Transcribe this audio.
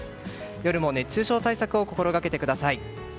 夜も熱中症対策を心がけてください。